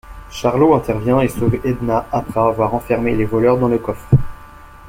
Charlot intervient et sauve Edna après avoir enfermé les voleurs dans le coffre.